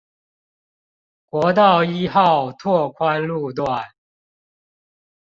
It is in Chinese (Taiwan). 國道一號拓寬路段